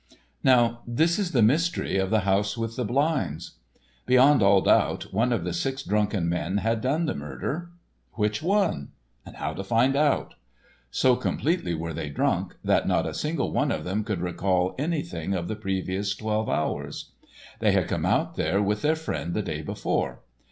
Now this is the mystery of the house with the blinds. Beyond all doubt, one of the six drunken men had done the murder. Which one? How to find out? So completely were they drunk that not a single one of them could recall anything of the previous twelve hours. They had come out there with their friend the day before.